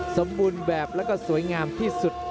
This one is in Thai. สมบูรณ์แบบแล้วก็สวยงามที่สุด